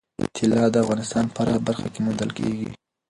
طلا د افغانستان په هره برخه کې موندل کېږي.